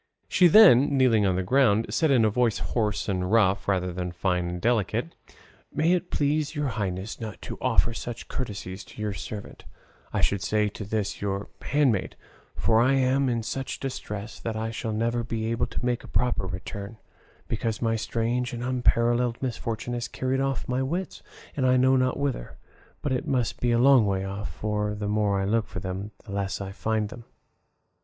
She then, kneeling on the ground, said in a voice hoarse and rough, rather than fine and delicate, "May it please your highnesses not to offer such courtesies to this your servant, I should say to this your handmaid, for I am in such distress that I shall never be able to make a proper return, because my strange and unparalleled misfortune has carried off my wits, and I know not whither; but it must be a long way off, for the more I look for them the less I find them."